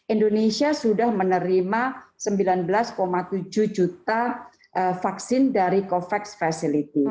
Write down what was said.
indonesia sudah menerima sembilan belas tujuh juta vaksin dari covax facility